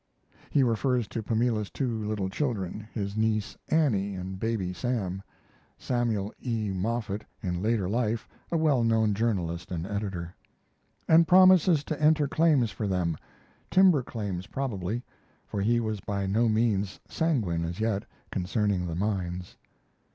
He refers to Pamela's two little children, his niece Annie and Baby Sam, [Samuel E. Moffett, in later life a well known journalist and editor.] and promises to enter claims for them timber claims probably for he was by no means sanguine as yet concerning the mines.